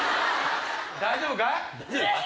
大丈夫か？